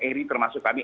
eri termasuk kami